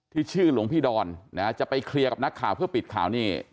ชื่อหลวงพี่ดอนนะจะไปเคลียร์กับนักข่าวเพื่อปิดข่าวนี่